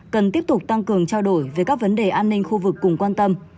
cần tiếp tục tăng cường trao đổi về các vấn đề an ninh khu vực cùng quan tâm